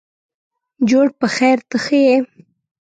جوړ په خیرته ښه یې.